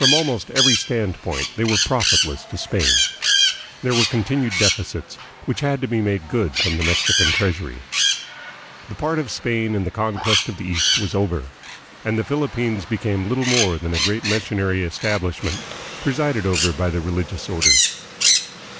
From almost every standpoint they were profitless to Spain. There were continued deficits, which had to be made good from the Mexican treasury. The part of Spain in the conquest of the East was over, and the Philippines became little more than a great missionary establish ment, presided over by the religious orders.